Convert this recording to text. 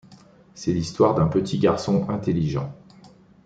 C'est l'histoire d'un petit garçon intelligent.